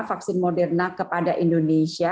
vaksin moderna kepada indonesia